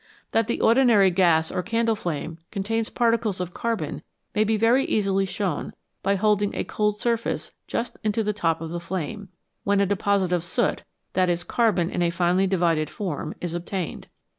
That the ordinary gas or candle flame contains particles of carbon may be very easily shown by holding a cold x surface just into the top of the flame, when a deposit of soot (that is, carbon in a finely divided form) is obtained.